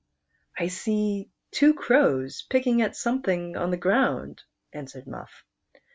" I see two crows picking at something on the ground," answered Muff.